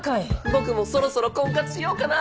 僕もそろそろ婚活しようかな。